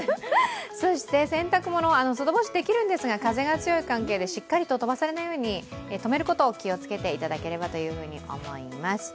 そして洗濯物、外干しできるんですが風が強い関係でしっかりと飛ばされないように止めることを気をつけていただければと思います。